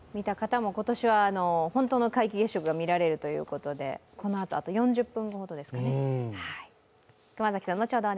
今年は本当の皆既月食が見られるということでこのあと、あと４０分後ほどですね。